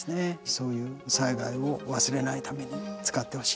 そういう災害を忘れないために使ってほしいなと思います。